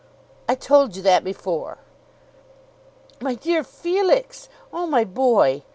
"I told you that before." "My dear Felix. Oh, my boy!"